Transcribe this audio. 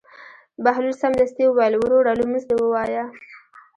بهلول سمدستي وویل: وروره لمونځ دې ووایه.